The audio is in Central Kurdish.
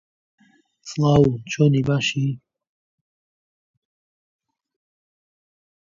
من قۆرییەکی ئەلمۆنیۆم و چای عێراقیم پێ بوو